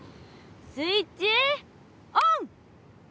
スイッチオン！